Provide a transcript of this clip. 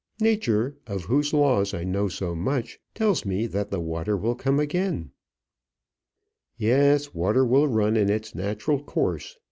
Nature, of whose laws I know so much, tells me that the water will come again." "Yes, water will run in its natural course.